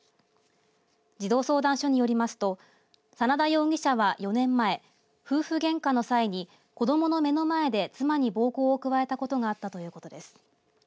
児童相談所によりますと眞田容疑者は、４年前夫婦げんかの際に子どもの目の前で妻に暴行を加えたことがあったということです。